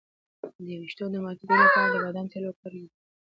د ویښتو د ماتیدو لپاره د بادام تېل وکاروئ